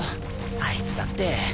あいつだって。